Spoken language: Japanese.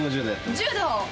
柔道？